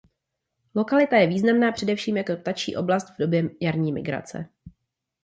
Lokalita je významná především jako ptačí oblast v době jarní migrace.